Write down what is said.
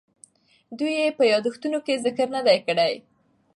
دوی یې په یادښتونو کې ذکر نه دی کړی.